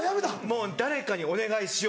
もう誰かにお願いしよう。